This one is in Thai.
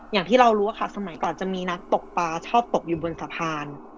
อย่างที่เรารู้ว่าค่ะสมัยก่อนจะมีนักตกปลาชอบตกอยู่บนสะพาน